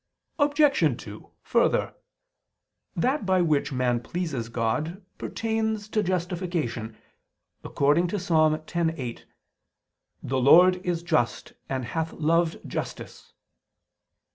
Obj. 2: Further, that by which man pleases God pertains to justification, according to Ps. 10:8: "The Lord is just and hath loved justice."